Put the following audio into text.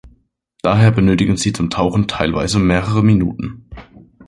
Daher benötigen sie zum Tauchen teilweise mehrere Minuten.